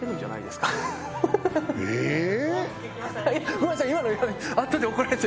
ごめんなさい